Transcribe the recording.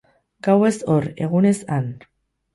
Gauez hor, egunez han.